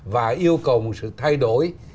và yêu cầu một sự thay đổi